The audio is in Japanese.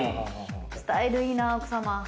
スタイルいいな、奥様。